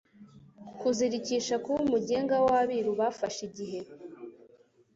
Kuzirikisha Kuba umugenga w'Abiru bafashe igihe